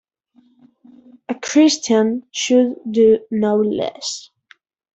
A Christian should do no less.